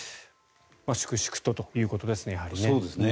粛々とということですね。